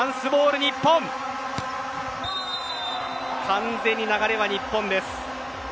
完全に流れは日本です。